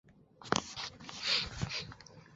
四棱牡丹